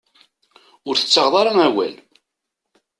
Ur tettaɣeḍ ara awal.